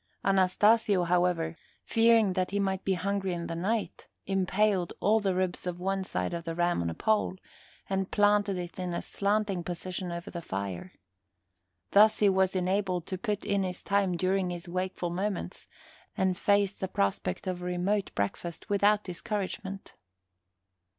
Anastasio, however, fearing that he might be hungry in the night, impaled all the ribs of one side of the ram on a pole and planted it in a slanting position over the fire. Thus he was enabled to put in his time during his wakeful moments, and face the prospect of a remote breakfast without discouragement.